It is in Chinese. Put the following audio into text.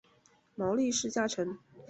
毛利氏家臣。